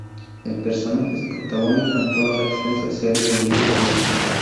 El personaje es protagónico en toda la extensa serie de libros de Oz.